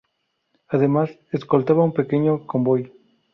Además, escoltaba a un pequeño convoy.